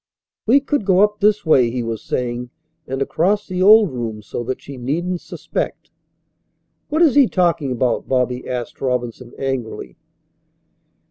"We could go up this way," he was saying, "and across the old room so that she needn't suspect." "What is he talking about?" Bobby asked Robinson angrily.